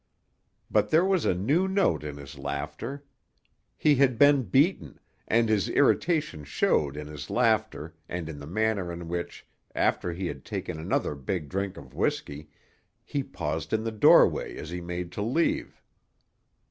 But there was a new note in his laughter. He had been beaten, and his irritation showed in his laughter and in the manner in which, after he had taken another big drink of whiskey, he paused in the doorway as he made to leave.